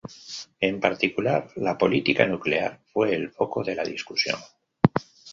En particular, la política nuclear fue el foco de la discusión.